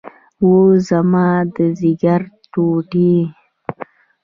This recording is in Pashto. اوه زما د ځيګر ټوټې.